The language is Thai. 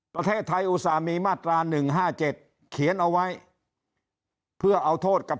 ประเทศไทยอุตส่าห์มีมาตรา๑๕๗เขียนเอาไว้เพื่อเอาโทษกับ